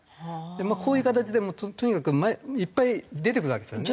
こういう形でとにかくいっぱい出てくるわけですよね。